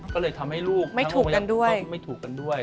ก็เลยทำให้ลูกไม่ถูกกันด้วยไม่ถูกกันด้วย